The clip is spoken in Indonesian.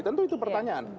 tentu itu pertanyaan